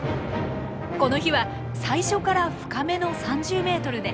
この日は最初から深めの３０ｍで。